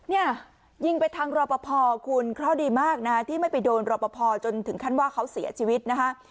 เนี่ยยิงไปทางรอปภคุณเคราะห์ดีมากนะที่ไม่ไปโดนรอปภจนถึงขั้นว่าเขาเสียชีวิตนะคะ